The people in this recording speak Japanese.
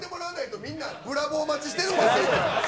みんな、ブラボー待ちしてるんですよ。